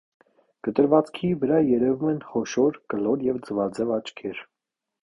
Կտրվածքի վրա երևում են խոշոր, կլոր և ձվաձև աչքեր։